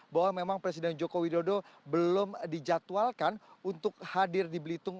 bahwa memang presiden joko widodo belum dijadwalkan untuk hadir di belitung